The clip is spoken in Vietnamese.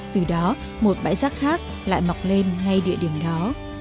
từ đó một bãi rác khác lại mọc lên ngay địa điểm đó